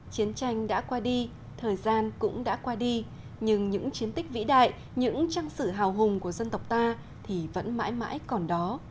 chiến tranh đã qua đi thời gian cũng đã qua đi nhưng những chiến tích vĩ đại những trang sử hào hùng của dân tộc ta thì vẫn mãi mãi còn đó